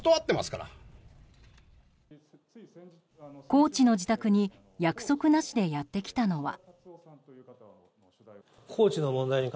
高知の自宅に約束なしでやってきたのは。